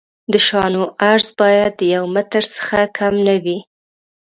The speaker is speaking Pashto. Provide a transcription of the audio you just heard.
د شانو عرض باید د یو متر څخه کم نه وي